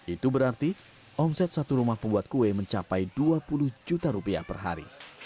itu berarti omset satu rumah pembuat kue mencapai dua puluh juta rupiah per hari